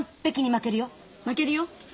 負けるよ。